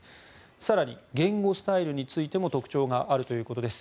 更に言語スタイルについても特徴があるということです。